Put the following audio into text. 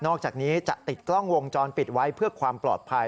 อกจากนี้จะติดกล้องวงจรปิดไว้เพื่อความปลอดภัย